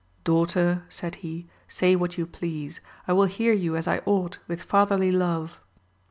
Daughter, said he, say what you please ; I will hear you as I ought, with fatherly love.